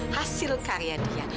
hasil karya dia